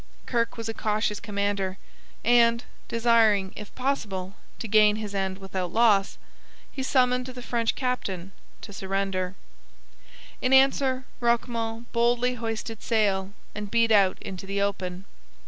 Kirke was a cautious commander; and, desiring if possible to gain his end without loss, he summoned the French captain to surrender. In answer Roquemont boldly hoisted sail and beat out into the open.